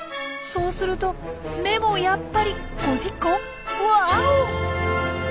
そうすると目もやっぱり５０個？わお！